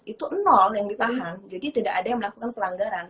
itu nol yang ditahan jadi tidak ada yang melakukan pelanggaran